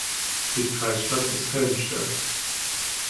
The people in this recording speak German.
Die Kreisstadt ist Helmstedt.